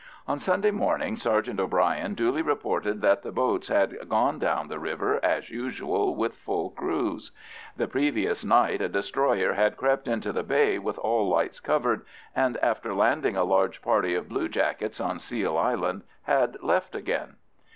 On Sunday morning Sergeant O'Bryan duly reported that the boats had gone down the river, as usual with full crews. The previous night a destroyer had crept into the bay with all lights covered, and after landing a large party of bluejackets on Seal Island, had left again.